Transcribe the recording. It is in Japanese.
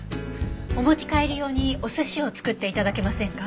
お持ち帰り用にお寿司を作って頂けませんか？